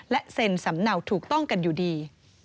และเซ็นสำเนาถูกต้องกันอยู่ดี